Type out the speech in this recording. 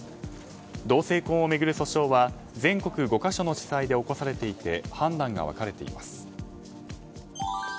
同性婚を巡る訴訟は全国５か所の地裁で起こされていて判断が分かれています。